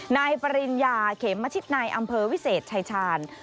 นายปริญญาเขมชิตนายอำเภอวิเศษชายชาญ